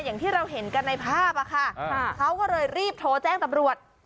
อย่างที่เราเห็นกันในภาพอะค่ะเขาก็เลยรีบโทรแจ้งตำรวจ